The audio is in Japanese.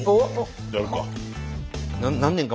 やるか。